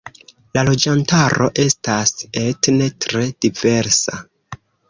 La loĝantaro estas etne tre diversa.